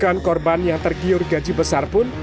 bahkan korban yang tergiur gaji besar pun